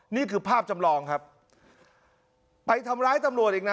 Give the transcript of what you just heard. นี่คือภาพจำลองครับไปทำร้ายตำรวจอีกนะ